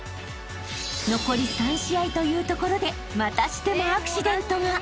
［残り３試合というところでまたしてもアクシデントが］